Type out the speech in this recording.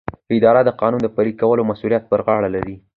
اداره د قانون د پلي کولو مسؤلیت پر غاړه لري.